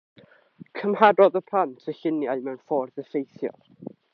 Cymharodd y plant y lluniau mewn ffordd effeithiol.